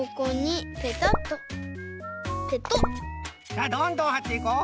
さあどんどんはっていこう！